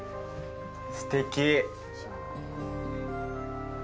すてき！